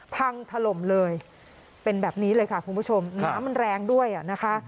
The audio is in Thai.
พังถล่มเลยเป็นแบบนี้เลยค่ะคุณผู้ชมน้ำมันแรงด้วยอ่ะนะคะ